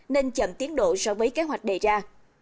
nên chậm tiến độ so với kế hoạch đề ra